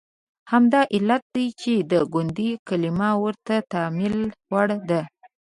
همدا علت دی چې د ګوندي کلمه ورته د تامل وړ ده.